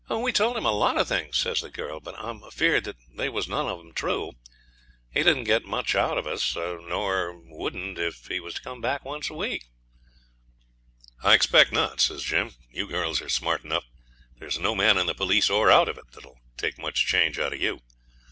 'We told him a lot of things,' says the girl; 'but I am afeared they was none of 'em true. He didn't get much out of us, nor wouldn't if he was to come once a week.' 'I expect not,' says Jim; 'you girls are smart enough. There's no man in the police or out of it that'll take much change out of you.